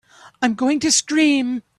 I'm going to scream!